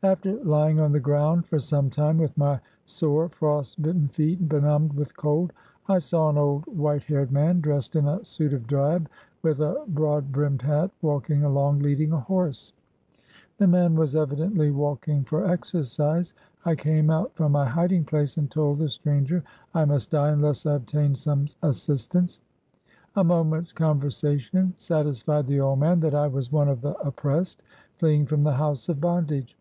After lying on the ground for some time, with my sore, frost bit ten feet benumbed with cold, I saw an old, white haired man, dressed in a suit of drab, with a broad brimmed hat, walking along, leading a horse. The man was evidently walking for exercise. I came out from my hiding place and told the stranger I must die unless I obtained some assistance. A moment's con versation satisfied the old man that I was one of the oppressed, fleeing from the house of bondage.